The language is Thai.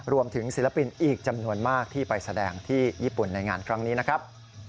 ศิลปินอีกจำนวนมากที่ไปแสดงที่ญี่ปุ่นในงานครั้งนี้นะครับ